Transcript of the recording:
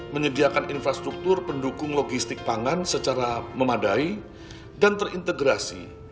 menyediakan infrastruktur pendukung logistik pangan secara memadai dan terintegrasi